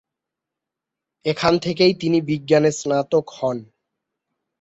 এখান থেকেই তিনি বিজ্ঞানে স্নাতক হন।